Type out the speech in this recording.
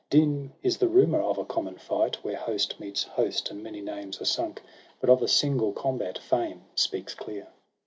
Dim is the rumour of a common fight, Where host meets host, and many names are sunk: But of a single combat fame speaks clear.'